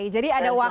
jadi ada waktu